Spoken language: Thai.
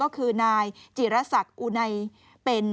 ก็คือนายจิรสังกุนัยต้องมือบแดง